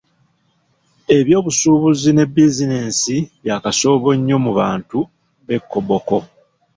Ebyobusuubuzi ne bizinensi bya kasoobo mu bantu b'e Koboko.